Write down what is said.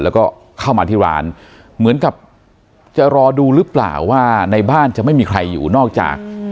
แล้วก็เข้ามาที่ร้านเหมือนกับจะรอดูหรือเปล่าว่าในบ้านจะไม่มีใครอยู่นอกจาก